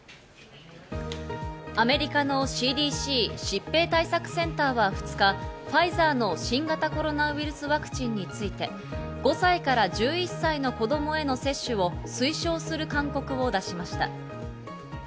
アメリカのＣＤＣ＝疾病対策センターは２日、ファイザーの新型コロナウイルスワクチンについて、５歳から１１歳の子供への接種を推奨する勧告を出しました。